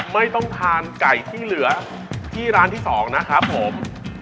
ไม่ต้องทานไก่ที่เหลือที่ร้านที่๒นะครับผม